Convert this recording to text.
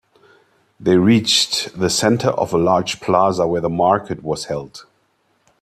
They reached the center of a large plaza where the market was held.